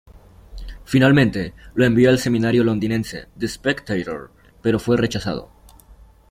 Finalmente, lo envió al semanario londinense "The Spectator", pero fue rechazado.